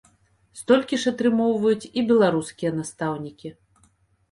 Столькі ж атрымоўваюць і беларускія настаўнікі.